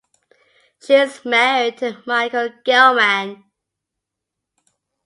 She is married to Michael Gelman.